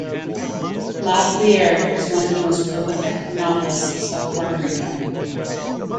Laguerre was one of the most prolific novelists of Puerto Rico.